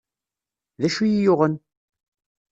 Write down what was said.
D acu i iyi-yuɣen?